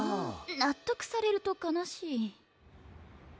納得されると悲しい。